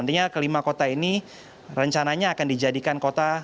nantinya kelima kota ini rencananya akan dijadikan kota